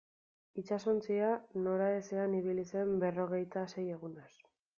Itsasontzia noraezean ibili zen berrogeita sei egunez.